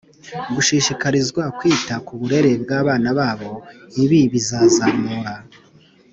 gushishikarizwa kwita k uburere bw abana babo Ibi bizazamura